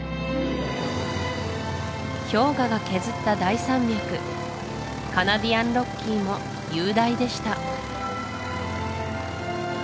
氷河が削った大山脈カナディアンロッキーも雄大でした